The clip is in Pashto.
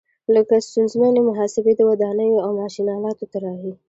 لکه ستونزمنې محاسبې، د ودانیو او ماشین آلاتو طراحي.